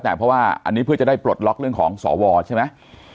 แต่เพราะว่าอันนี้เพื่อจะได้ปลดล็อกเรื่องของสวใช่ไหม